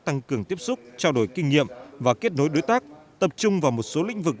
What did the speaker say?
tăng cường tiếp xúc trao đổi kinh nghiệm và kết nối đối tác tập trung vào một số lĩnh vực